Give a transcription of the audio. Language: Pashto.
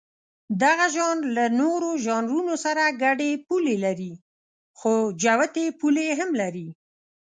دغه ژانر له نورو ژانرونو سره ګډې پولې لري، خو جوتې پولې هم لري.